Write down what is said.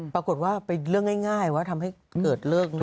ปรากฏว่าเป็นเรื่องง่ายว่าทำให้เกิดเลิกเลย